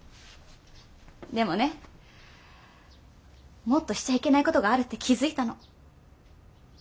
でもねもっとしちゃいけないことがあるって気付いたの。